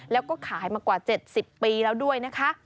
แล้วก็ขายมากว่า๗๐ปีแล้วด้วยนะคะ